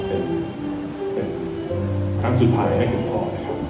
เป็นครั้งสุดท้ายและคุณพ่อนะครับ